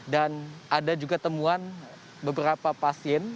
dan ada juga temuan beberapa pasien